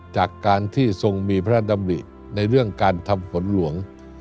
จากการที่ทรงมีพระดำริในเรื่องการทำฝนหลวง